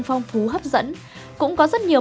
phong phú hấp dẫn cũng có rất nhiều